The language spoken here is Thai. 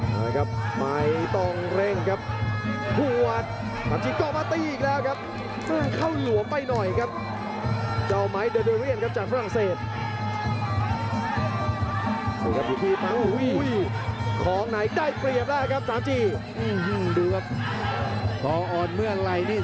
นะครับไมค์ต้องเร่งครับพวดตามจริงก็มาตีอีกแล้วครับ